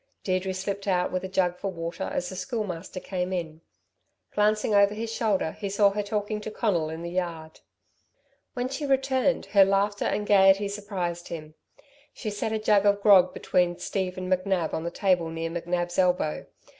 Deirdre slipped out with a jug for water as the Schoolmaster came in. Glancing over his shoulder, he saw her talking to Conal in the yard. When she returned, her laughter and gaiety surprised him. She set a jug of grog between Steve and McNab on the table near NcNab's elbow.